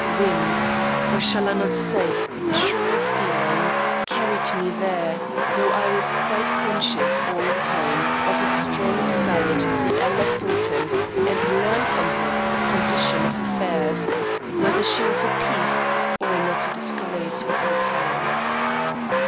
Whim, or shall I not say, true feeling, carried me there though I was quite conscious, all the time, of a strong desire to see Ella Fulton and learn from her the condition of affairs whether she was at peace, or in utter disgrace, with her parents.